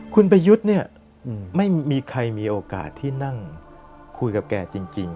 คุณประยุทธ์เนี่ยไม่มีใครมีโอกาสที่นั่งคุยกับแกจริง